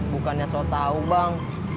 bukannya so tau bang